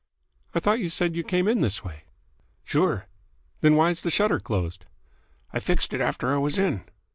"I thought you said you came in this way." "Sure." "Then why's the shutter closed?" "I fixed it after I was in."